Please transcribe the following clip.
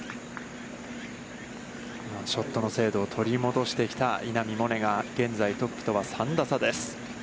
ショットの精度を取り戻してきた稲見萌寧が現在トップとは、３打差です。